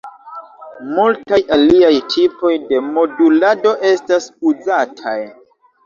Multaj aliaj tipoj de modulado estas uzataj.